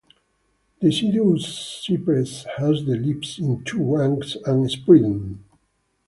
Deciduous cypress has the leaves in two ranks, and spreading.